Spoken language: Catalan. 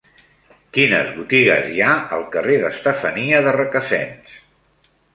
Quines botigues hi ha al carrer d'Estefania de Requesens?